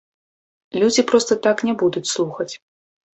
Людзі проста так не будуць слухаць.